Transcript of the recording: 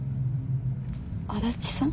安達さん？